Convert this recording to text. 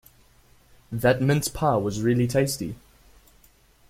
That mince pie was really tasty.